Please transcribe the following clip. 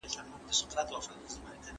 لښکر د ابوجهل ته به کلي تنها نه وي